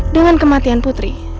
dengan kematian putri